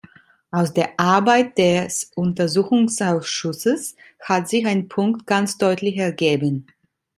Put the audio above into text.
Aus der Arbeit des Untersuchungsausschusses hat sich ein Punkt ganz deutlich ergeben.